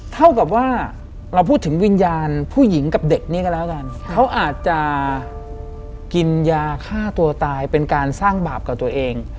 เท่ากับว่าเราพูดถึงวิญญาณผู้หญิงกับเด็กนี่ก็แล้วกันเขาอาจจะกินยาฆ่าตัวตายเป็นการสร้างบาปกับตัวเอง